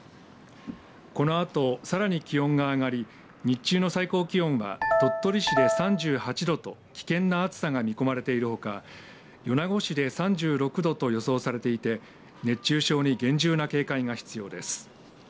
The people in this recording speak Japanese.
このあとさらに気温が上がり日中の最高気温は鳥取市で３８度と危険な暑さが見込まれているほか米子市で３６度と予想されていて熱中症に厳重な警戒が必要です。